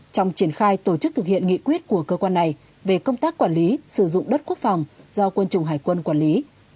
trong triển khai tổ chức thực hiện nghị quyết của cơ quan này về công tác quản lý sử dụng đất quốc phòng do quân chủng hải quân quản lý